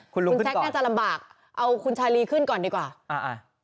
คุณลุงคุณแซคน่าจะลำบากเอาคุณชาลีขึ้นก่อนดีกว่าอ่า